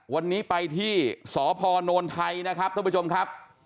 วันนี้ไปที่สพนไทยนะครับท่านผู้ชมครับ